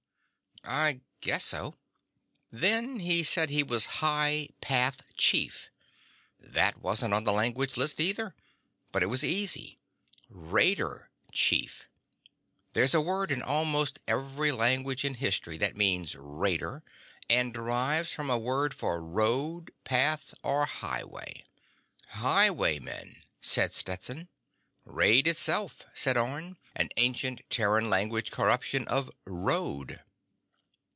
"I guess so." "Then he said he was High Path Chief. That wasn't on the language list, either. But it was easy: Raider Chief. There's a word in almost every language in history that means raider and derives from a word for road, path or highway." "Highwaymen," said Stetson. "Raid itself," said Orne. "An ancient Terran language corruption of road."